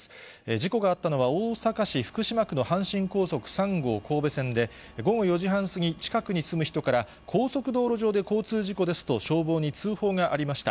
事故があったのは、大阪市福島区の阪神高速道路３号神戸線で、午後４時半過ぎ、近くに住む人から高速道路上で交通事故ですと消防に通報がありました。